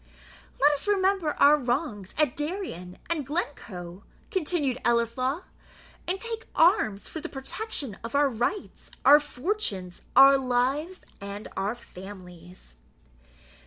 "Let us remember our wrongs at Darien and Glencoe," continued Ellieslaw, "and take arms for the protection of our rights, our fortunes, our lives, and our families."